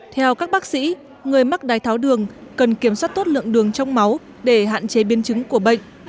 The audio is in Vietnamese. theo các bác sĩ người mắc đái tháo đường cần kiểm soát tốt lượng đường trong máu để hạn chế biến chứng của bệnh